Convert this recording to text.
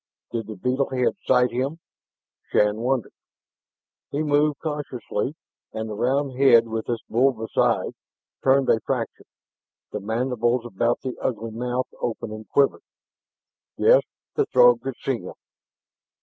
Did the beetle head sight him? Shann wondered. He moved cautiously. And the round head, with its bulbous eyes, turned a fraction; the mandibles about the the ugly mouth opening quivered. Yes, the Throg could see him.